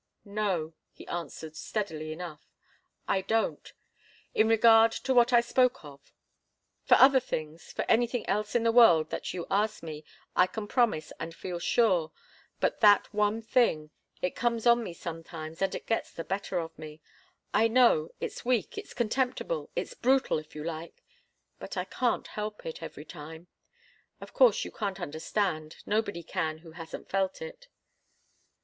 "No," he answered, steadily enough. "I don't in regard to what I spoke of. For other things, for anything else in the world that you ask me, I can promise, and feel sure. But that one thing it comes on me sometimes, and it gets the better of me. I know it's weak it's contemptible, it's brutal, if you like. But I can't help it, every time. Of course you can't understand. Nobody can, who hasn't felt it."